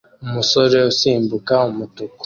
Umusore usimbuka umutuku